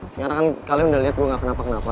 sekarang kan kalian udah lihat gue gak kenapa kenapa